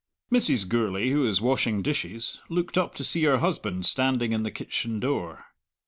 Mrs. Gourlay, who was washing dishes, looked up to see her husband standing in the kitchen door.